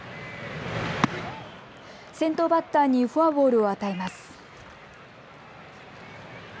先頭バッターにフォアボールを与えます。